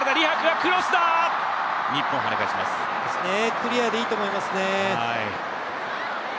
クリアでいいと思いますね。